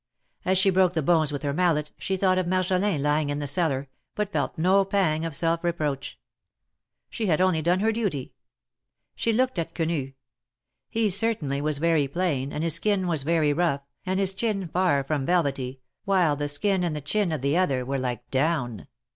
As she broke the bones with her mallet, she thought of Marjolin lying in the cellar, but felt no pang of self reproach. She had only done her duty. She looked at Quenu; he certainly was very plain, and his skin was very rough, and his chin far from velvety, while the skin and the chin of the other were like down.